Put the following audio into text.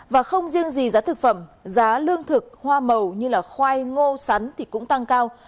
và không riêng gì giá thực phẩm giá lương thực hoa màu như khoai ngô sắn thì cũng tăng cao